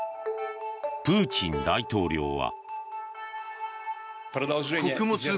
プーチン大統領は。